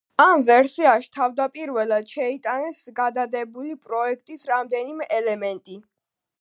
ამ ვერსიაში თავდაპირველად შეიტანეს გადადებული პროექტის რამდენიმე ელემენტი.